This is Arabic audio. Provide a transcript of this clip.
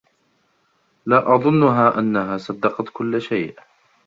لا أظنّها أنّها صدّقت كلّ شيء.